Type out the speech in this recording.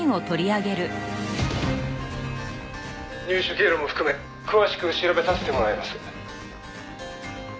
「入手経路も含め詳しく調べさせてもらいます」